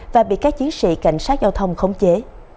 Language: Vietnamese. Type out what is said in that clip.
và bị các chiến sĩ cảnh sát giao thông khống chế